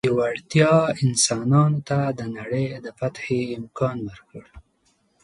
دې وړتیا انسانانو ته د نړۍ د فتحې امکان ورکړ.